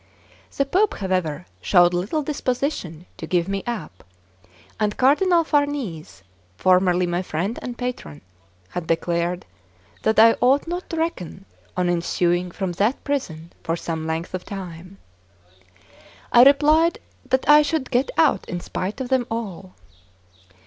The Pope, however, showed little disposition to give me up; and Cardinal Farnese, formerly my friend and patron, had declared that I ought not to reckon on issuing from that prison for some length of time. I replied that I should get out in spite of them all.